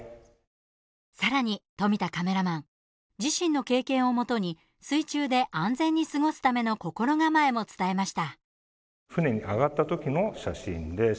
さらに富田カメラマン自身の経験をもとに水中で安全に過ごすための心構えも伝えました。